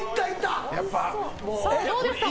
どうですか？